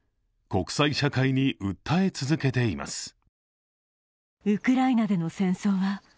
国際社会に訴え続けています。